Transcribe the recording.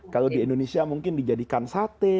kalau di indonesia mungkin dijadikan sate